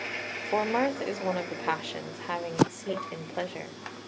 6 For mirth is one of the passions, having its seat in pleasure.